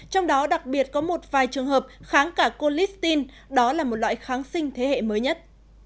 trong đó đặc biệt có một vài trường hợp kháng cả colistin đó là một loại kháng sinh thế hệ mới nhất